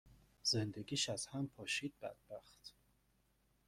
زندگیش از هم پاشید بدبخت.